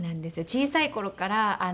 小さい頃から。